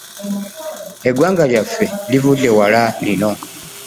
Eggwanga lyaffe livudde wala lino!